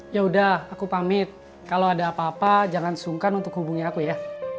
ya udah aku pamit kalau ada apa apa jangan sungkan untuk hubungi aku ya